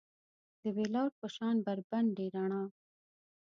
د بیلور په شان بربنډې رڼا